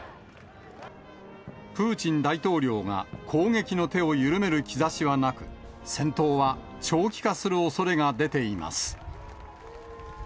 プーチン大統領が攻撃の手を緩める兆しはなく、戦闘は長期化するおそれが出ています。